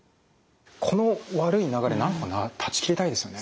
この悪い流れなんとか断ち切りたいですよね。